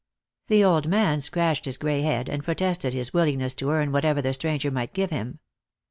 The old man scratched his gray head, and protested his wil lingness to earn whatever the stranger might give him.